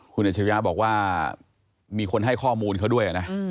คุณอัชริยะบอกว่ามีคนให้ข้อมูลเขาด้วยนะ